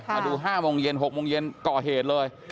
มาดู๕โมงเย็น๖โมงเย็นก่อเหตุเลย